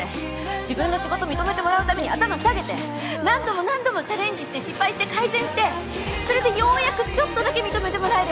自分の仕事認めてもらうために頭下げて何度も何度もチャレンジして失敗して改善してそれでようやくちょっとだけ認めてもらえる。